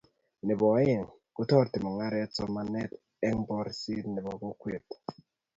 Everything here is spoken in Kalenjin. nebo aeng, kotoreti mungaret somanetab eng boorset nebo kokwet